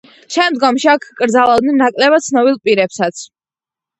შემდგომში აქ კრძალავდნენ ნაკლებად ცნობილ პირებსაც.